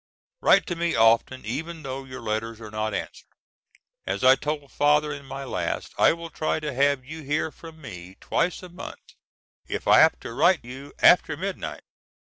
Write to me often even though your letters are not answered. As I told father in my last I will try to have you hear from me twice a month if I have to write you after midnight.